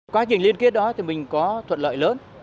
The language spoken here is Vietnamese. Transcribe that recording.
quá trình liên kết đó thì mình có thuận lợi lớn